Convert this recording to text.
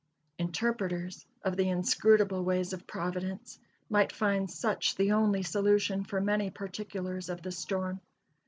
Interpreters of the inscrutable ways of Providence might find such the only solution for many particulars of the storm.